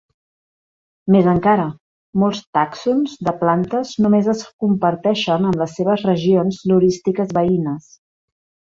Més encara, molts tàxons de plantes només es comparteixen amb les seves regions florístiques veïnes.